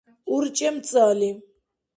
урчӀемцӀали